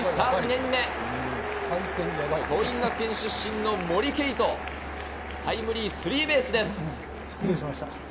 桐蔭学園出身の森敬斗、タイムリースリーベースです。